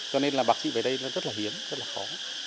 cho nên bác sĩ về đây rất hiếm rất khó